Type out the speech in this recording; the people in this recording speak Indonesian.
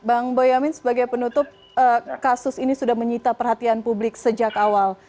bang boyamin sebagai penutup kasus ini sudah menyita perhatian publik sejak awal